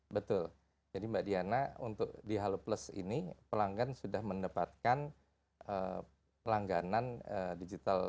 betul jadi mbak diana untuk di halo plus ini pelanggan sudah mendapatkan langganan digital